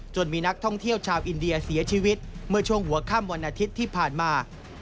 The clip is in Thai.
มีนักท่องเที่ยวชาวอินเดียเสียชีวิตเมื่อช่วงหัวค่ำวันอาทิตย์ที่ผ่านมา